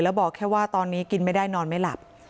แล้วบอกแค่ว่าตอนนี้กินไม่ได้นอนไม่หลับ